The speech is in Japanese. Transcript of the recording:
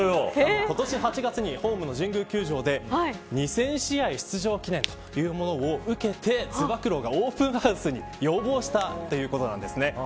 今年８月、ホームの神宮球場で２０００試合出場記念というものを受けてつば九郎がオープンハウスに要望したということなんですね。